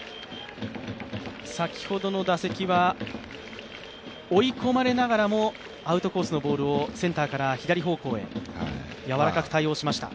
先ほどの打席は追い込まれながらもアウトコースのボールをセンターから左方向へやわらかく対応しました。